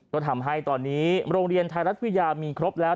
ก็ทำให้ตอนนี้โรงเรียนไทยรัฐวิทยามีครบแล้ว